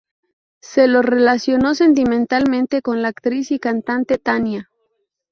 Se lo relacionó sentimentalmente con la actriz y cantante Tania.